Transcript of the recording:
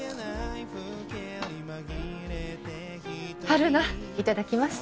春菜いただきます。